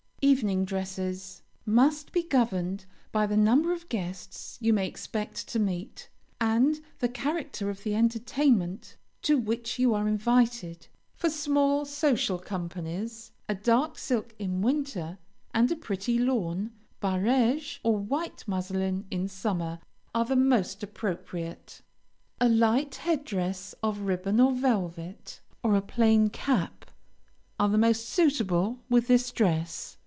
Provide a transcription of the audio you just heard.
EVENING DRESSES Must be governed by the number of guests you may expect to meet, and the character of the entertainment to which you are invited. For small social companies, a dark silk in winter, and a pretty lawn, barege, or white muslin in summer, are the most appropriate. A light head dress of ribbon or velvet, or a plain cap, are the most suitable with this dress.